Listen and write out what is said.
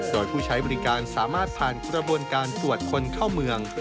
โดยผู้ใช้บริการสามารถผ่านกระบวนการตรวจคนเข้าเมือง